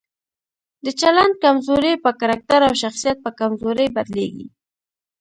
د چلند کمزوري په کرکټر او شخصیت په کمزورۍ بدليږي.